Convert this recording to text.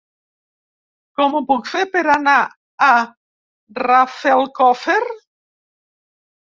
Com ho puc fer per anar a Rafelcofer?